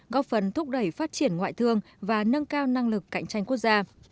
góp phần thúc đẩy phát triển ngoại thương và nâng cao năng lực cạnh tranh quốc gia